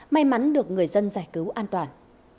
may mắn được người dân giải cứu an toàn